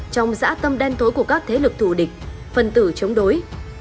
trong giã tâm đen tối của các thế lực thù địch phân tử chống đối